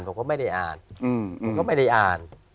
ผมก็ไม่ได้อ่าน